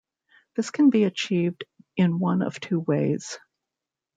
This can be achieved in one of two ways.